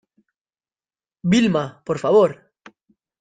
Vilma, por favor.